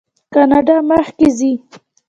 کاناډا مخکې ځي.